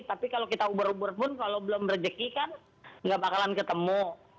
tapi kalau kita uber uber pun kalau belum rezekikan nggak bakalan ketemu